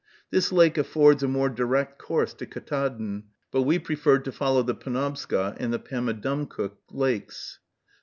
This lake affords a more direct course to Ktaadn, but we preferred to follow the Penobscot and the Pamadumcook lakes.